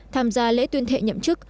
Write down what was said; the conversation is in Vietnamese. tham gia lễ tuyên thệ nhậm chức